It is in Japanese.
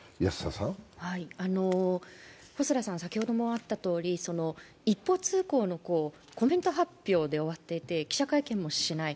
細田さん、先ほどもあったとおり、一方通行のコメント発表で終わっていて記者会見もしない。